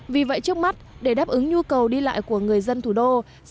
vì vậy trước mắt để đáp ứng nhu cầu đi lại của người dân thủ đô